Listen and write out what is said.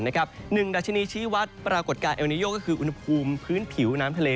หนึ่งดัชนีชีวัตรปรากฎกาเอลนิโยก็คืออุณหภูมิพื้นผิวน้ำทะเล